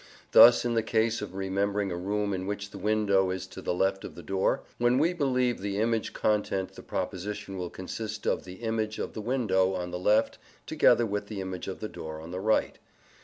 Thus, in the case of remembering a room in which the window is to the left of the door, when we believe the image content the proposition will consist of the image of the window on the left together with the image of the door on the right.